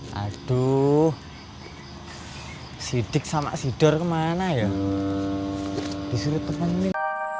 hai aduh sidik sama sidor kemana ya disuruh temen